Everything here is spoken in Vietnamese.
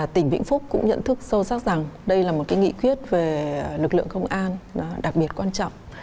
tỉnh vĩnh phúc cũng nhận thức sâu sắc rằng đây là một nghị quyết về lực lượng công an đặc biệt quan trọng